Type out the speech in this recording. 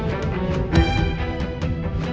kamu kangent to me